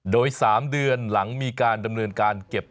โดย๓เดือนหลังมีการดำเนินการเก็บ